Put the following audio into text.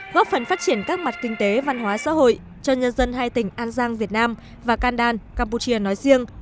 góp phần phát triển các mặt kinh tế văn hóa xã hội cho nhân dân hai tỉnh an giang việt nam và kandan campuchia nói riêng